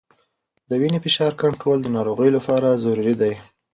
د وینې فشار کنټرول د ناروغ لپاره ضروري دی.